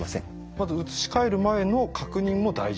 まず移し替える前の確認も大事だと。